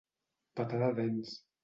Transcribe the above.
Petar de dents.